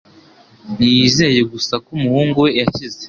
Ntiyizeye gusa ko umuhungu we yakize,